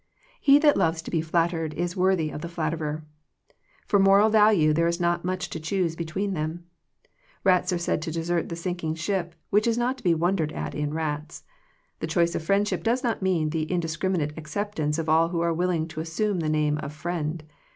'* He that loves to be flattered is worthy of the flatterer." For moral value there is not much to choose between them. Rats are said to desert the sinking ship, which is not to be wondered at in rats. The choice of friendship does not mean the indiscriminate acceptance of all who are willing to assume the name of friend.